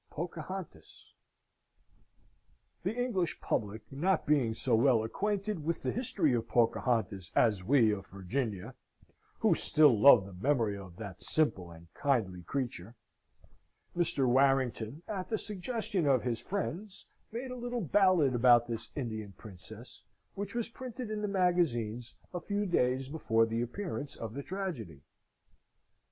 Pocahontas The English public not being so well acquainted with the history of Pocahontas as we of Virginia, who still love the memory of that simple and kindly creature, Mr. Warrington, at the suggestion of his friends, made a little ballad about this Indian princess, which was printed in the magazines a few days before the appearance of the tragedy.